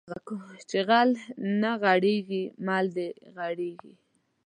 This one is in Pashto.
چې غل نه غېړيږي مال دې غېړيږي